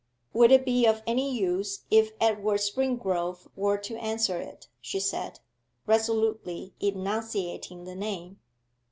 'Would it be of any use if Edward Springrove were to answer it?' she said, resolutely enunciating the name.